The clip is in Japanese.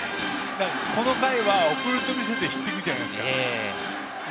この回は送ると見せかけてヒッティングじゃないですか。